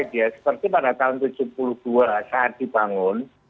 seperti pada tahun seribu sembilan ratus tujuh puluh dua saat dibangun